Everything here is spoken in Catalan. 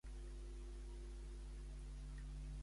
Anota que en llevar-me em prenc l'antiinflamatori.